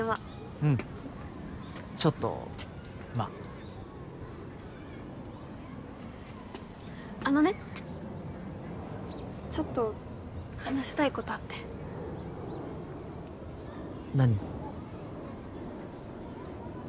うんちょっとまああのねちょっと話したいことあって何？